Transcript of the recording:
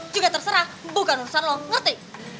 juga terserah bukan urusan long ngerti